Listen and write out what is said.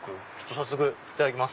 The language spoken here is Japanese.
早速いただきます。